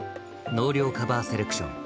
納涼カバーセレクション。